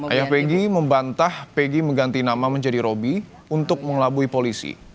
ayah peggy membantah pegi mengganti nama menjadi roby untuk mengelabui polisi